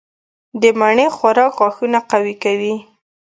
د مڼې خوراک غاښونه قوي کوي.